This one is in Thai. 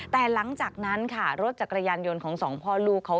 แต่หลังจากนั้นค่ะรถจักรยานยนต์ของสองพ่อลูกเขา